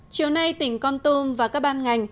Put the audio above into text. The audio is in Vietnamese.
chiều nay tỉnh con tum và các ban ngành